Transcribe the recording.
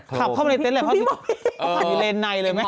ขับเข้าไปในเต็มมีเลนในเลยไหม